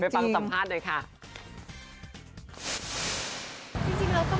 จริงแล้วก็ไม่ได้อยากได้อะไรจากเค้าแล้ว